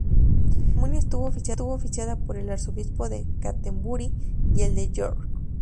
La ceremonia estuvo oficiada por el arzobispo de Canterbury y el de York.